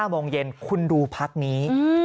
โมงเย็นคุณดูพักนี้